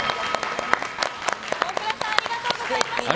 大倉さんありがとうございました！